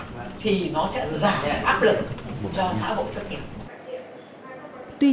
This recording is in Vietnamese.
thì nó sẽ giảm áp lực cho xã hội thực hiện